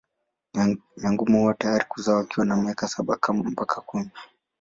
Nyangumi huwa tayari kuzaa wakiwa na miaka saba mpaka kumi.